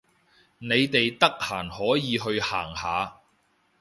你哋得閒可以去行下